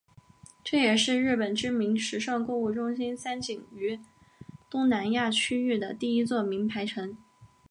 这也是日本知名时尚购物中心三井于东南亚区域的第一座名牌城。